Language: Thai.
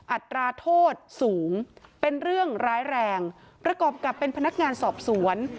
อัตราโทษสูงเป็นเรื่องร้ายแรงประกอบกับเป็นพนักงานสอบสวน